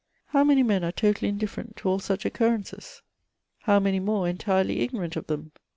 How many men are totally indifferent to all such occurrences! How many more entirely ignorant of them